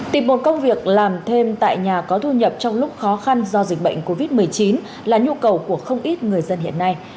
tìm một công việc làm thêm tại nhà có thu nhập trong lúc khó khăn do dịch bệnh covid một mươi chín là nhu cầu của không ít người dân hiện nay